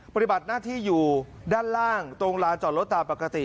ปฏิบัติหน้าที่อยู่ด้านล่างตรงลานจอดรถตามปกติ